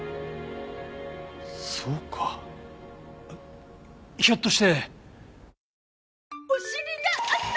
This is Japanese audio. そうかひょっとして！